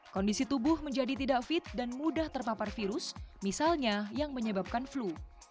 kondisi tubuh menjadi tidak fit dan mudah terpapar virus misalnya yang menyebabkan flu